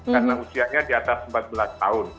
karena usianya di atas empat belas tahun